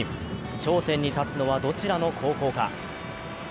頂点に立つのは、どちらの高校か。